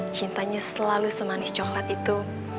cintanya selalu semanis coklat itu